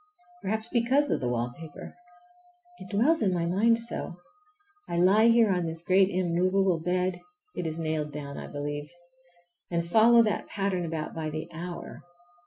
Perhaps because of the wallpaper. It dwells in my mind so! I lie here on this great immovable bed—it is nailed down, I believe—and follow that pattern about by the hour.